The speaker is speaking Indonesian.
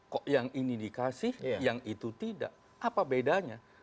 kok yang ini dikasih yang itu tidak apa bedanya